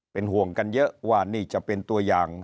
เป็นห่วงกันเยอะว่านี่จะเป็นตัวอย่าง